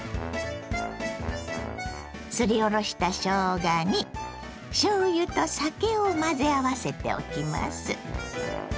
すりおろしたしょうがにしょうゆと酒を混ぜ合わせておきます。